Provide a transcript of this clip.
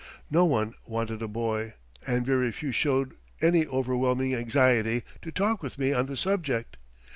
No one wanted a boy, and very few showed any overwhelming anxiety to talk with me on the subject.